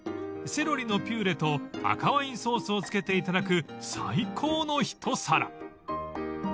［セロリのピューレと赤ワインソースを付けていただく最高の一皿］